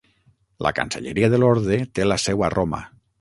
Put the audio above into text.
La cancelleria de l'orde té la seu a Roma.